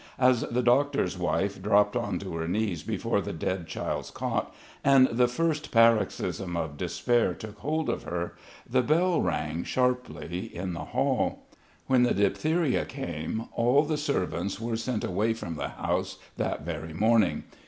As the doctor's wife dropped on to her knees before the dead child's cot and the first paroxysm of despair took hold of her, the bell rang sharply in the hall. When the diphtheria came all the servants were sent away from the house, that very morning.